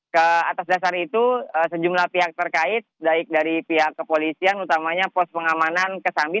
ke atas dasar itu sejumlah pihak terkait baik dari pihak kepolisian utamanya pos pengamanan kesambi